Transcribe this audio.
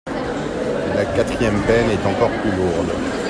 La quatrième peine est encore plus lourde.